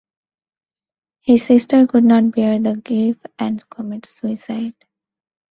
His sister could not bear the grief and commits suicide.